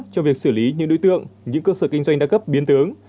trong việc xử lý những đối tượng những cơ sở kinh doanh đa cấp biến tướng